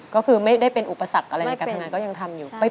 ก็คือไม่ได้เป็นอุปสรรคอะไรก็ยังทำอยู่